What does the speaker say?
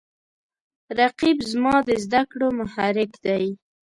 رقیب زما د زده کړو محرک دی